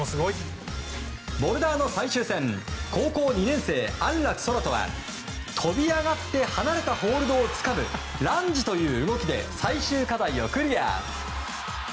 ボルダーの最終戦高校２年生、安楽宙斗は飛び上がって離れたホールドをつかむランジという動きで最終課題をクリア。